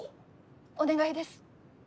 お願いです。